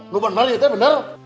lu bener ya bener